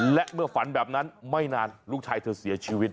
และเมื่อฝันแบบนั้นไม่นานลูกชายเธอเสียชีวิต